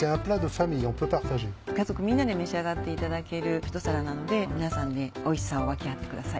家族みんなで召し上がっていただけるひと皿なので皆さんでおいしさを分けあってください。